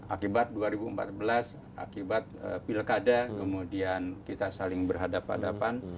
akibat dua ribu empat belas akibat pilkada kemudian kita saling berhadapan hadapan